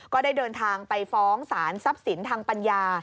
ก็ได้เดินทางไปฟ้องสารทรัพย์สินทางปัญญา